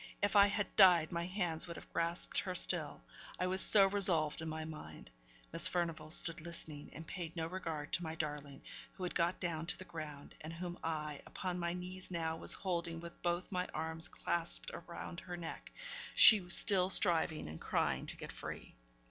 If I had died, my hands would have grasped her still, I was so resolved in my mind. Miss Furnivall stood listening, and paid no regard to my darling, who had got down to the ground, and whom I, upon my knees now, was holding with both my arms clasped round her neck; she still striving and crying to get free.